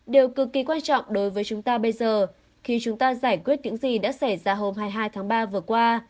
điều cực kỳ quan trọng đối với chúng ta bây giờ khi chúng ta giải quyết những gì đã xảy ra hôm hai mươi hai tháng ba vừa qua